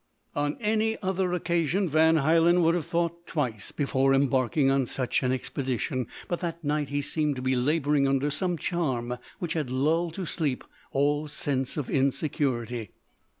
On any other occasion Van Hielen would have thought twice before embarking on such an expedition; but that night he seemed to be labouring under some charm which had lulled to sleep all sense of insecurity.